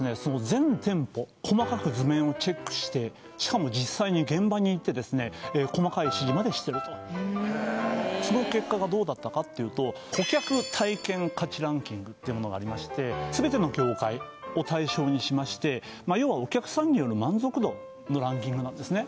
全店舗細かく図面をチェックしてしかも実際に現場に行って細かい指示までしてるとその結果がどうだったかって言うと顧客体験価値ランキングってものがありまして全ての業界を対象にしまして要はお客さんによる満足度のランキングなんですね